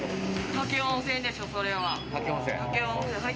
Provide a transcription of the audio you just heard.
武雄温泉でしょ、それは。